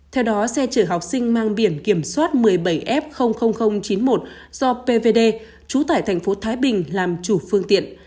theo đó xe chở học sinh mang biển kiểm soát một mươi bảy f chín mươi một do pvd trú tại thành phố thái bình làm chủ phương tiện